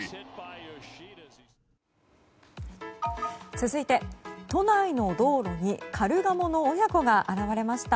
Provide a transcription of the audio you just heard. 続いて、都内の道路にカルガモの親子が現れました。